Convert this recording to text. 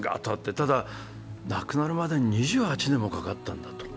ただ、なくなるまでに２８年もかかったんだと。